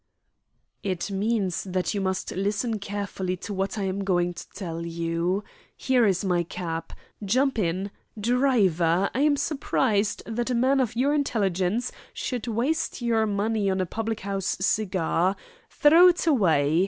"It means that you must listen carefully to what I am going to tell you. Here is my cab. Jump in. Driver, I am surprised that a man of your intelligence should waste your money on a public house cigar. Throw it away.